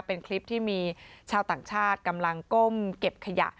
เป็นคลิปที่มีชาวต่างชาติกำลังก้มเก็บขยะ